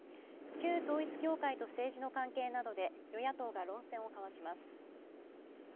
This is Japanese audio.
旧統一教会と政治の関係などで与野党が論戦を交わします。